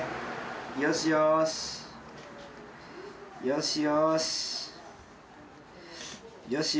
よしよし。